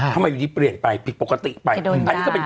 ทำไมอย่างนี้เปลี่ยนไปปกติมาโดนค่าสมัยติดนึง